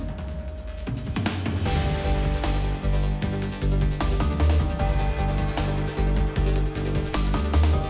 คุณจะไม่สามารถห้ามผู้หญิงไม่ให้ทำแท้งได้